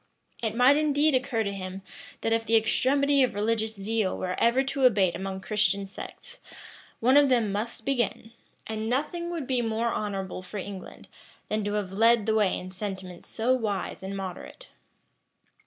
[*] It might indeed occur to him, that if the extremity of religious zeal were ever to abate among Christian sects, one of them must begin; and nothing would be more honorable for England, than to have led the way in sentiments so wise and moderate.